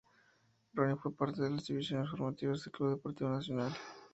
Ronny fue parte de las divisiones formativas de Club Deportivo El Nacional.